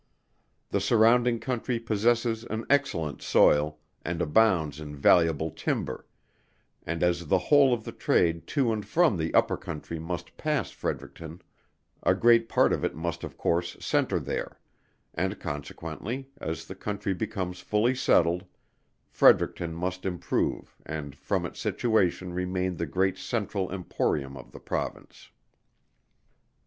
The surrounding country possesses an excellent soil, and abounds in valuable timber, and as the whole of the trade to and from the upper country must pass Fredericton, a great part of it must of course centre there, and consequently, as the country becomes fully settled, Fredericton must improve and from its situation remain the great central emporium of the Province.